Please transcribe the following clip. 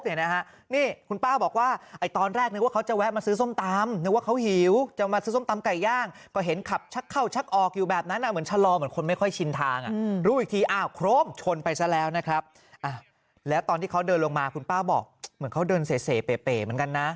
พูดได้นะฮะนี่คุณป้าบอกว่าไอ้ตอนแรกนึกว่าเขาจะแวะมาซื้อ